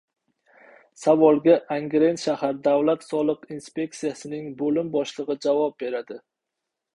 Savolga Angren shahar Davlat Soliq inspeksiyasining boʻlim boshligʻi javob beradi.